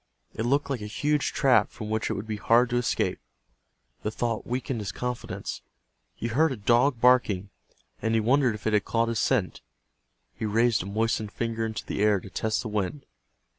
It looked like a huge trap from which it would be hard to escape. The thought weakened his confidence. He heard a dog barking, and he wondered if it had caught his scent. He raised a moistened finger into the air to test the wind.